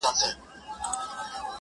نورو ټولو به وهل ورته ټوپونه.!